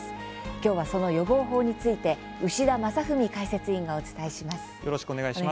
きょうは、その予防法について牛田正史解説委員とお伝えします。